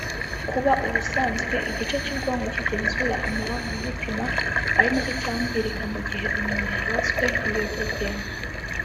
Kuba ubusanzwe igice cy’ubwonko kigenzura amarangamutima ari na cyo cyangirika mu gihe umuntu yabaswe n’ibiyobyabwenge